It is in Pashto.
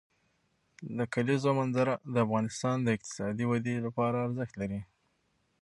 د کلیزو منظره د افغانستان د اقتصادي ودې لپاره ارزښت لري.